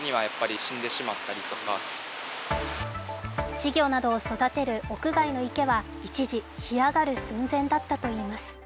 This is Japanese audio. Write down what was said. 稚魚などを育てる屋外の池は一時、干上がる寸前だったといいます。